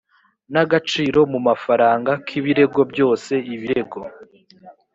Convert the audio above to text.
n agaciro mu mafaranga k ibirego byose ibirego